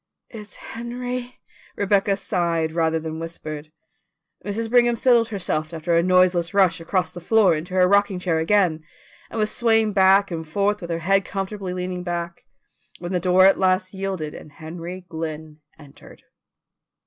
"It's Henry," Rebecca sighed rather than whispered. Mrs. Brigham settled herself after a noiseless rush across the floor into her rocking chair again, and was swaying back and forth with her head comfortably leaning back, when the door at last yielded and Henry Glynn entered.